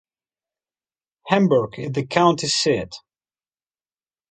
Hamburg is the county seat.